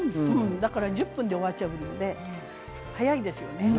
だから１０分で終わっちゃうので早いですよね。